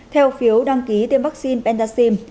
theo phiếu đăng ký tiêm vaccine pentaxim